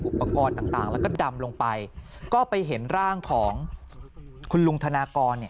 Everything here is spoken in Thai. อุปกรณ์ต่างแล้วก็ดำลงไปก็ไปเห็นร่างของคุณลุงธนากรเนี่ย